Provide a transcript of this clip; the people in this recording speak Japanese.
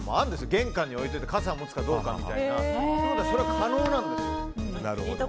玄関に置いておいて傘持つかどうかみたいな。ということはそれは可能なんですよ。